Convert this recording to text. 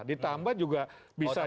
ditambah juga bisa jadi